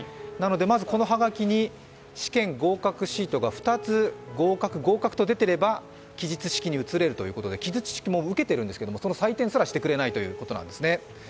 まず、この葉書に試験合格シートが２つ、合格、合格と出ていれば記述式に移れるということで、記述式、受けているんですけど、その採点すらしてくれないということなんですね。